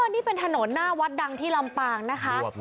นี่เป็นถนนหน้าวัดดังที่ลำปางนะคะ